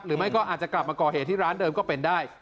หรือไม่ก็อาจจะกลับมาก่อเหตุที่ร้านเดิมก็เป็นได้